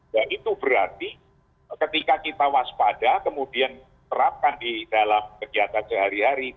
ya itu berarti ketika kita waspada kemudian terapkan di dalam kegiatan sehari hari